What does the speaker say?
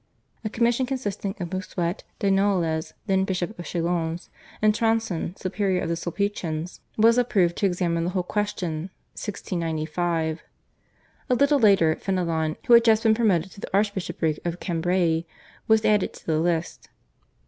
A commission consisting of Bossuet, de Noailles, then Bishop of Chalons, and Tronson, superior of the Sulpicians, was appointed to examine the whole question (1695). A little later Fenelon, who had just been promoted to the Archbishopric of Cambrai, was added to the list.